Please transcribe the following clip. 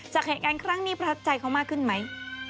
จะเห็นกันครั้งนี้ประทับใจเขามากขึ้นไหม